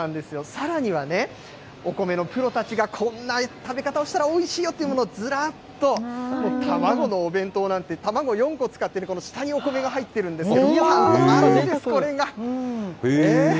さらにはね、お米のプロたちが、こんな食べ方をしたらおいしいよって、ずらっと、卵のお弁当なんて、卵４個使ってる、この下にお米が入っているんですよ、これが。